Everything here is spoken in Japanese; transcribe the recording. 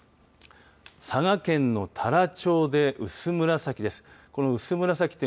佐賀県の太良町で薄紫です。